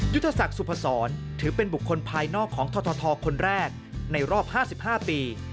ศักดิ์สุพศรถือเป็นบุคคลภายนอกของททคนแรกในรอบ๕๕ปี